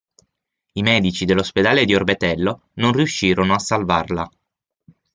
I medici dell’ospedale di Orbetello non riuscirono a salvarla.